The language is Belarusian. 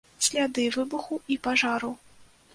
Сляды выбуху і пажару.